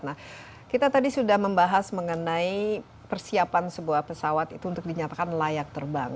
nah kita tadi sudah membahas mengenai persiapan sebuah pesawat itu untuk dinyatakan layak terbang